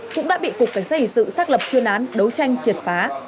cũng đã bị cục cảnh sát hình sự xác lập chuyên án đấu tranh triệt phá